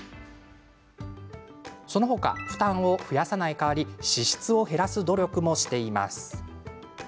その他負担を増やさない代わりに支出を減らす努力もしています。